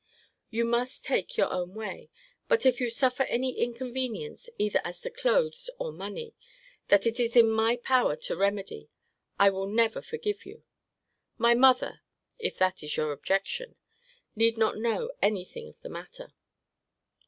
You must take your own way: but, if you suffer any inconvenience, either as to clothes or money, that it is in my power to remedy, I will never forgive you. My mother, (if that is your objection) need not know any thing of the matter.